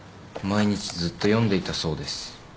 毎日ずっと読んでいたそうです。